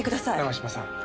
長島さん。